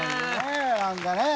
何かね。